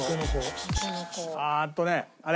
ああーっとねあれ。